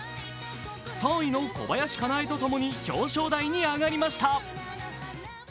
３位の小林かなえとともに表彰台に上がりました。